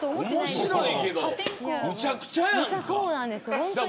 めちゃくちゃやんか。